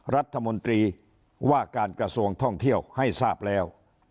รัฐมนตรีว่าการกระทรวงท่องเที่ยวให้ทราบแล้ว